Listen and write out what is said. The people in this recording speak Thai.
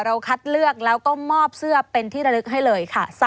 คัดเลือกแล้วก็มอบเสื้อเป็นที่ระลึกให้เลยค่ะ